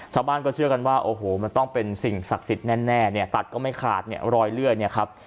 ชาวบ้านก็เชื่อกันว่าโอ้โหมันต้องเป็นสิ่งศักดิ์สิทธิ์แน่เนี่ยตัดก็ไม่ขาดเนี่ยรอยเลื่อยเนี่ยครับ